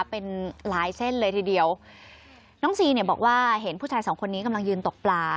เป็นหลายเส้นเลยทีเดียวน้องซีเนี่ยบอกว่าเห็นผู้ชายสองคนนี้กำลังยืนตกปลา